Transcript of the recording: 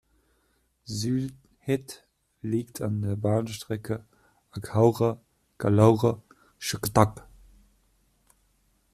Sylhet liegt an der Bahnstrecke Akhaura–Kulaura–Chhatak.